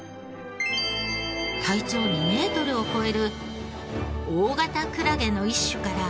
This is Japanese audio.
体長２メートルを超える大型クラゲの一種から。